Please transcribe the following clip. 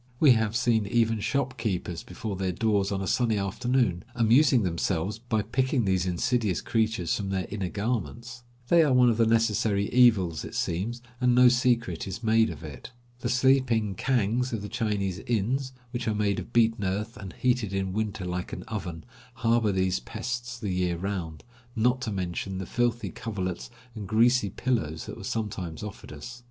We have seen even shopkeepers before 165 STATION OF SEB BOO TCHAN. their doors on a sunny afternoon, amusing themselves by picking these insidious creatures from their inner garments. They are one of the necessary evils it seems, and no secret is made of it. The sleeping kangs of the Chinese inns, which are made of beaten earth and heated in winter like an oven, harbor these pests the year round, not to mention the filthy coverlets and greasy pillows that were sometimes offered us.